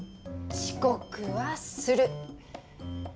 遅刻はする。